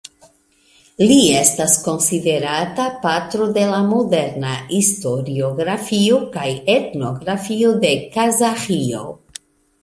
Li estas konsiderata patro de la moderna historiografio kaj etnografio de Kazaĥio.